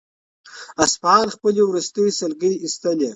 اصفهان خپلې وروستۍ سلګۍ ایستلې.